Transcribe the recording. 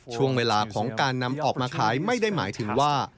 ช่วงเวลาของการนำออกมาขายไม่ได้หมายถึงว่า